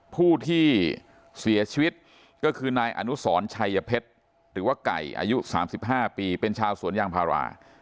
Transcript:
ผู้ที่เสียชีวิตก็คือนายอนุสรชัยเพชรหรือว่าไก่อายุ๓๕ปีเป็นชาวสวนยางพารา